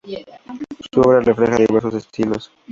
Su obra refleja diversos estilos.